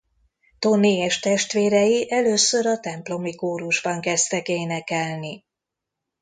Toni és testvérei először a templomi kórusban kezdtek énekelni.